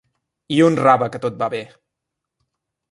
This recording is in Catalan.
I un rave que tot va bé!